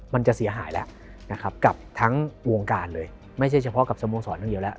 มันจะเสียหายแล้วนะครับกับทั้งวงการเลยไม่ใช่เฉพาะกับสโมสรอย่างเดียวแล้ว